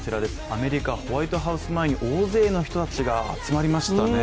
アメリカホワイトハウス前に大勢の人たちが集まりましたね